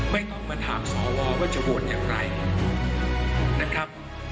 ไม่ต้องมาถามสวว่าจะโหวตอย่างไรนะครับ